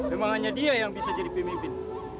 memang hanya dia yang bisa jadi pemimpin